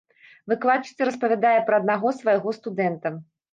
Выкладчыца распавядае пра аднаго свайго студэнта.